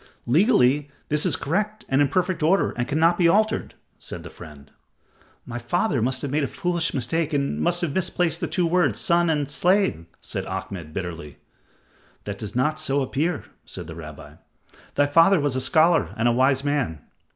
"Legally, this is correct and in perfect order and cannot be altered," said the friend. "My father must have made a foolish mistake and must have misplaced the two words 'son' and 'slave,'" said Ahmed, bitterly. "That does not so appear," said the rabbi; "thy father was a scholar and wise man.